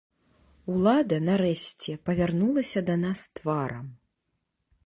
Улада, нарэшце, павярнулася да нас тварам.